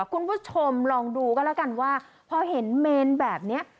คุณผู้ชมลองดูก็แล้วกันว่าพอเห็นเมนแบบนี้